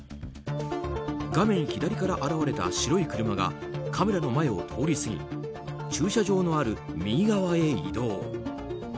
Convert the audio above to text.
画面左から現れた白い車がカメラの前を通り過ぎ駐車場のある右側へ移動。